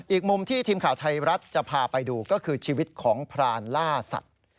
อีกมุมที่ทีมข่าวไทยรัฐจะพาไปดูก็คือชีวิตของพรานล่าสัตว์